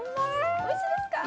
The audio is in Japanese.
おいしいですか？